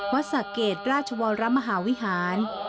วัดสะเกดราชวรรมหาวิฮาน